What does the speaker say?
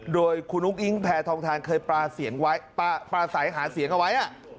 โดยคุณอุ๊กอิ๊งแผ่ทองทานเคยปลาใสหาเสียงเอาไว้